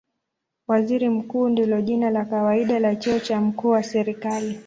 Waziri Mkuu ndilo jina la kawaida la cheo cha mkuu wa serikali.